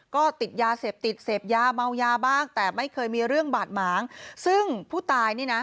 ก็ติดยาเสพติดเสพยาเมายาบ้างแต่ไม่เคยมีเรื่องบาดหมางซึ่งผู้ตายนี่นะ